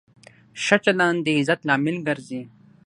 ښه چلند د عزت لامل ګرځي.